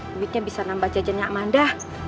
duitnya bisa nambah jajan nya amanda